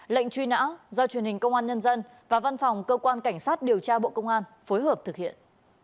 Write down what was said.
lệnh truy nã do truyền hình công an nhân dân và văn phòng cơ quan cảnh sát điều tra bộ công an phối hợp thực hiện